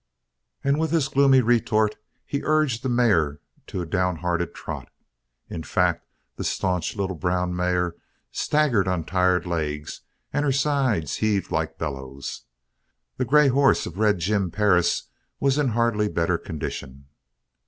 And with this gloomy retort, he urged the mare to a down headed trot. In fact, the staunch little brown mare staggered on tired legs and her sides heaved like bellows. The grey horse of Red Jim Perris was in hardly better condition.